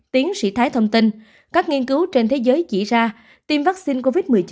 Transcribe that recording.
tiến sĩ thái thông tin các nghiên cứu trên thế giới chỉ ra tiêm vaccine covid một mươi chín